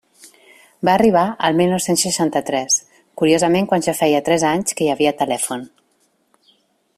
Va arribar el mil nou-cents seixanta-tres, curiosament quan ja feia tres anys que hi havia telèfon.